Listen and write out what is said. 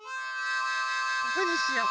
ここにしよう。